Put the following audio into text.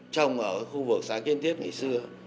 trồng ở khu vực xã kiên tiết ngày xưa